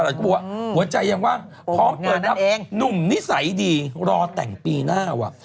ก็บอกว่าหัวใจยังว่างพร้อมเปิดรับหนุ่มนิสัยดีรอแต่งปีหน้าว่ะ